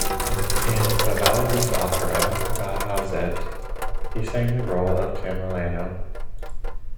In Vivaldi's opera "Bajazet", he sang the role of Tamerlano.